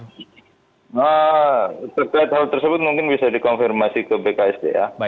nah terkait hal tersebut mungkin bisa dikonfirmasi ke bksda